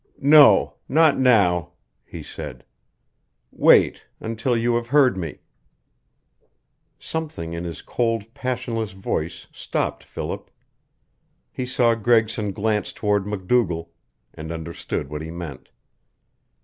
"No not now," he said. "Wait until you have heard me." Something in his cold, passionless voice stopped Philip. He saw Gregson glance toward MacDougall, and understood what he meant.